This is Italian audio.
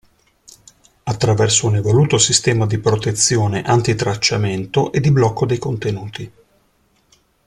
Attraverso un evoluto sistema di protezione anti-tracciamento e di blocco dei contenuti.